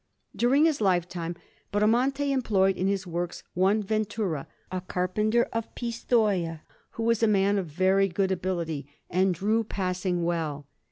During his lifetime, Bramante employed in his works one Ventura, a carpenter of Pistoia, who was a man of very good ability, and drew passing well.